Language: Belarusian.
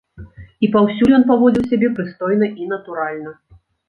І паўсюль ён паводзіў сябе прыстойна і натуральна.